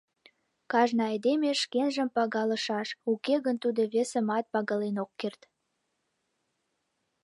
Кажне айдеме шкенжым пагалышаш, уке гын тудо весымат пагален ок керт.